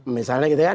misalnya gitu kan